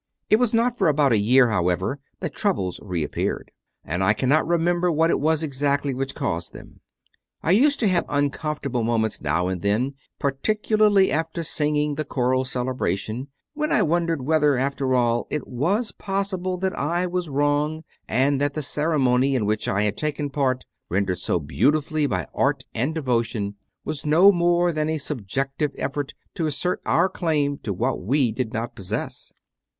6. It was not for about a year, however, that troubles reappeared, and I cannot remember what it was exactly which caused them. I used to have uncomfortable moments now and then, particularly after singing the choral celebration, when I wondered whether, after all, it was possible that I was wrong and that the ceremony in which I had taken part, rendered so beautiful by art and devotion, was no 52 CONFESSIONS OF A CONVERT more than a subjective effort to assert our claim to what we did not possess.